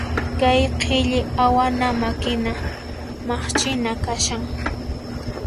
Kay qhilli awana makina maqchina kashan.